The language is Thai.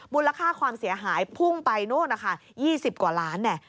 มูลค่าความเสียหายพุ่งไป๒๐กว่าล้าน